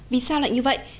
vì sao lại như vậy